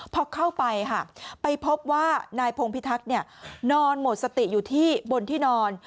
พอเข้าไปค่ะไปพบว่านายพงพิทักษ์นอนหมดสติอยู่ที่บนที่นอน